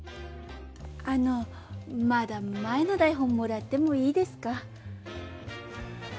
あのまだ前の台本もらってもいいですか？